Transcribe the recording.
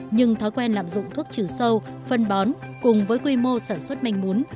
nhưng thói quen lạm dụng thuốc trừ sâu phân bón cùng với quy mô sản xuất manh mún